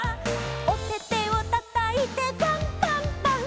「おててをたたいてパンパンパン！！」